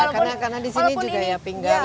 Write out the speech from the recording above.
karena di sini juga ya pinggang